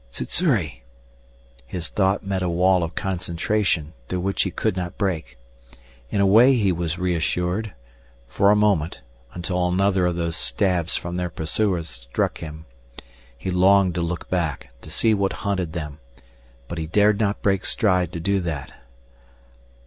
"Sssuri!" His thought met a wall of concentration through which he could not break. In a way he was reassured for a moment, until another of those stabs from their pursuers struck him. He longed to look back, to see what hunted them. But he dared not break stride to do that.